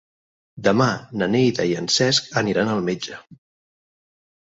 Demà na Neida i en Cesc aniran al metge.